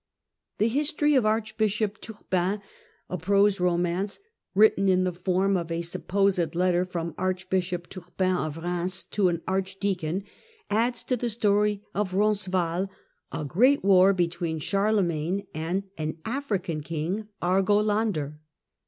The History of Archbishop Twrpin, a prose romance, written in the form of a supposed letter from Archbishop Turpin of Rheims to an archdeacon, adds to the story of Roncesvalles a great war between Charlemagne and an African King Argolander.